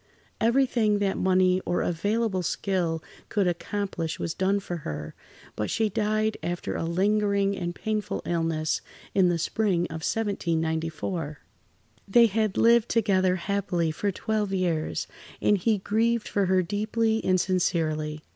Everything that money or available skill could accomplish was done for her, but she died after a lingering and painful illness, in the spring of 1794. They had lived together happily for twelve years, and he grieved for her deeply and sincerely.